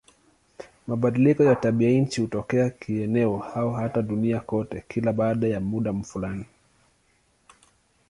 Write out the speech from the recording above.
Mabadiliko ya tabianchi hutokea kieneo au hata duniani kote kila baada ya muda fulani.